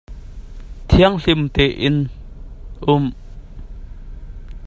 Conghrang bantuk in a muisam aa thleng mi minung zong an um ve.